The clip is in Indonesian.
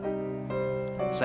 pastikan dia dalam keadaan sehat